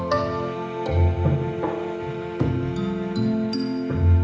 ขอบคุณทุกคน